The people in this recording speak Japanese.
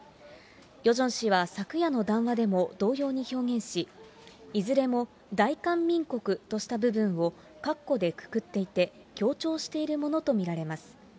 ヨジョン氏は昨夜の談話でも同様に表現し、いずれも大韓民国とした部分をかっこでくくっていて、強調しているものと見られます。